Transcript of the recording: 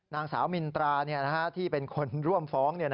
นางสาวมินตราที่เป็นคนร่วมฟ้อง